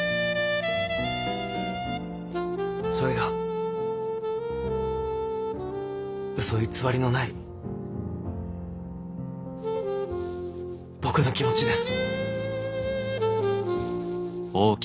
それがうそ偽りのない僕の気持ちです。